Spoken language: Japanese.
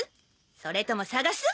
それとも捜す？